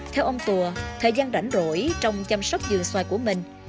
theo ông tùa thời gian rảnh rỗi trong chăm sóc dường xoài của mình